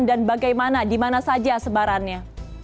dan bagaimana di mana saja sebarannya